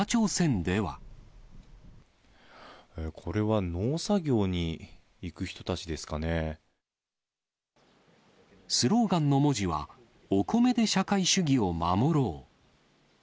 これは農作業に行く人たちでスローガンの文字は、お米で社会主義を守ろう。